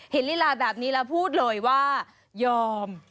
ลีลาแบบนี้แล้วพูดเลยว่ายอม